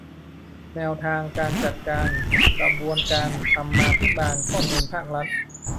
แนวทางการจัดการกระบวนการธรรมาภิบาลข้อมูลภาครัฐ